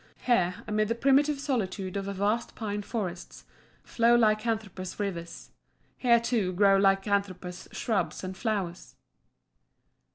Here, amid the primitive solitude of vast pine forests, flow lycanthropous rivers; here, too, grow lycanthropous shrubs and flowers.